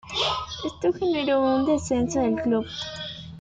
Esto generó el descenso del club.